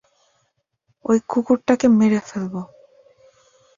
ওই কুকুরটাকে মেরে ফেলব।